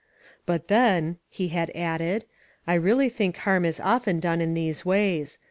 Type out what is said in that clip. "But then," he had added, "I really think harm is often done in these ways.